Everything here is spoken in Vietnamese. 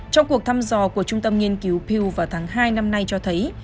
trong cuộc thăm dò của trung tâm nghiên cứu piw vào tháng hai năm nay cho thấy